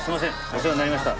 お世話になりました。